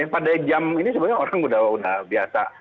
pada jam ini sebenarnya orang sudah biasa